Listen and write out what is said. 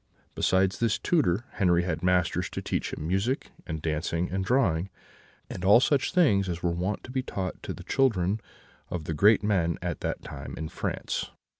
Besides this tutor, Henri had masters to teach him music and dancing and drawing, and all such things as were wont to be taught to the children of the great men at that time in France.